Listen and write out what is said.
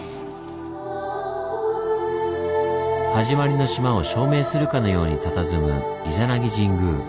「はじまりの島」を証明するかのようにたたずむ伊弉諾神宮。